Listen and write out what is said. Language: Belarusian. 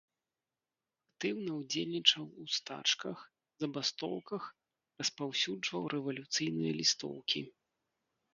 Актыўна ўдзельнічаў у стачках, забастоўках, распаўсюджваў рэвалюцыйныя лістоўкі.